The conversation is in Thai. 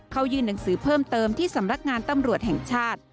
เขายื่นหนังสือเพิ่มเติมที่สำนักงานตำรวจแห่งชาติ